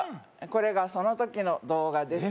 「これがその時の動画です」